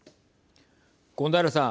権平さん。